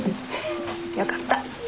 よかった。